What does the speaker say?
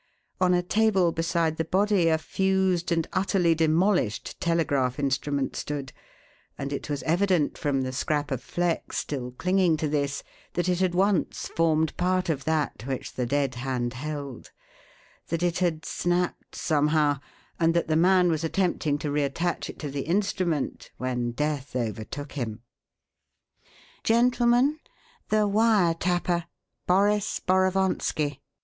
On a table beside the body a fused and utterly demolished telegraph instrument stood; and it was evident from the scrap of flex still clinging to this that it had once formed part of that which the dead hand held; that it had snapped somehow, and that the man was attempting to re attach it to the instrument when death overtook him. "Gentlemen, the wire tapper Boris Borovonski!"